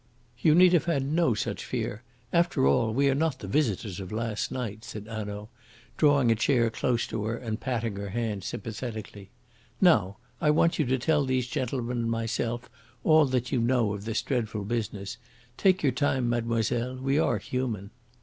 "You need have had no such fear. After all, we are not the visitors of last night," said Hanaud, drawing a chair close to her and patting her hand sympathetically. "Now, I want you to tell these gentlemen and myself all that you know of this dreadful business. Take your time, mademoiselle! We are human."